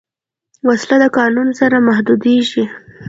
وسله د قانون سره محدودېږي